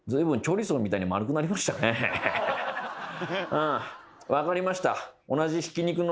ああ分かりました。